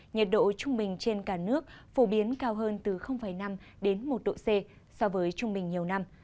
nhiệt độ trung bình trên cả nước phổ biến cao hơn từ năm đến một độ c so với trung bình nhiều năm